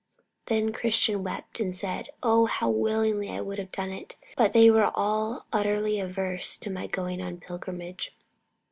Then Christian wept, and said: "Oh, how willingly would I have done it; but they were all utterly averse to my going on pilgrimage."